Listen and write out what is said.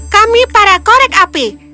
kami para korek api